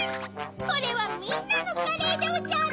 これはみんなのカレーでおじゃる。